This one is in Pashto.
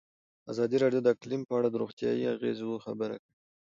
ازادي راډیو د اقلیم په اړه د روغتیایي اغېزو خبره کړې.